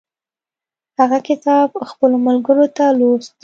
هغه کتاب خپلو ملګرو ته لوست.